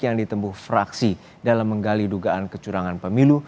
yang ditempuh fraksi dalam menggali dugaan kecurangan pemilu